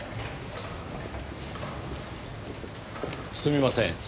すみません。